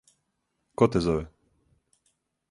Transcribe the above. Ко те зове?